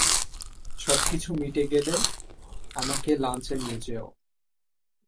সবকিছু মিটে গেলে, আমাকে লাঞ্চে নিয়ে যেও।